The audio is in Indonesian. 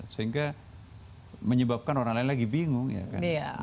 sehingga menyebabkan orang lain lagi bingung ya kan